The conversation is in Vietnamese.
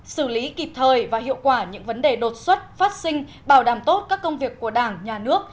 xử lý kịp thời và hiệu quả những vấn đề đột xuất phát sinh bảo đảm tốt các công việc của đảng nhà nước